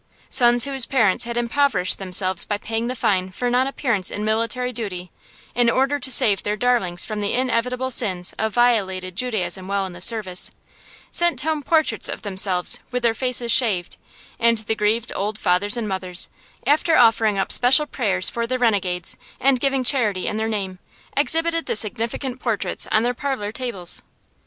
Sons whose parents had impoverished themselves by paying the fine for non appearance for military duty, in order to save their darlings from the inevitable sins of violated Judaism while in the service, sent home portraits of themselves with their faces shaved; and the grieved old fathers and mothers, after offering up special prayers for the renegades, and giving charity in their name, exhibited the significant portraits on their parlor tables.